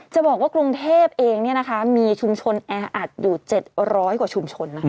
จะบอกว่ากรุงเทพเองมีชุมชนแออัดอยู่๗๐๐กว่าชุมชน